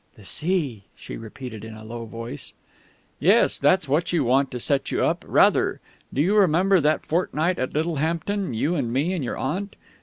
"The sea," she repeated in a low voice. "Yes, that's what you want to set you up rather! Do you remember that fortnight at Littlehampton, you and me and your Aunt?